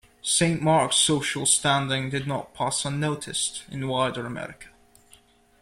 Saint Mark's social standing did not pass unnoticed in wider America.